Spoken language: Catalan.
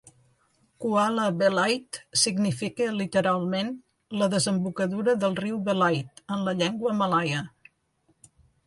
"Kuala Belait" significa literalment "la desembocadura del riu Belait" en la llengua malaia.